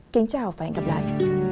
kính chào và hẹn gặp lại